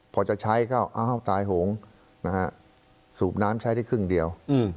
พอจะใช้ก็ตายหงค์สูบน้ำใช้ที่ครึ่งเดียว